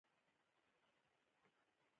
زردالو له مغذي موادو ډک وي.